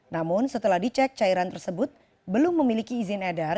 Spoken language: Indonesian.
namun setelah dicek cairan tersebut belum memiliki izin edar